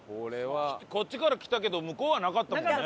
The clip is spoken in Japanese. こっちから来たけど向こうはなかったもんね。